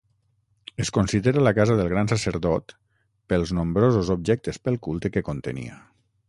Es considera la casa del gran sacerdot pels nombrosos objectes pel culte que contenia.